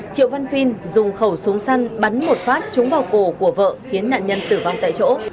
triệu văn phiên dùng khẩu súng săn bắn một phát trúng vào cổ của vợ khiến nạn nhân tử vong tại chỗ